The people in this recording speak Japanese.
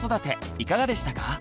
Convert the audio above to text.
いかがでしたか？